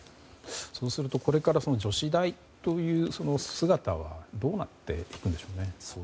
そうするとこれから女子大という姿はどうなっていくんでしょうね？